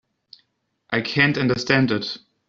I canât understand it.